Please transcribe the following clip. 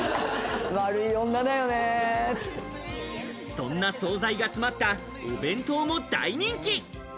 そんな総菜が詰まったお弁当も大人気。